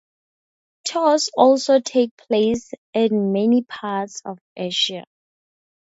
Tours also take place in many parts of Asia.